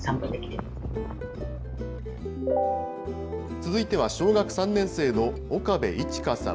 続いては、小学３年生の岡部いち花さん。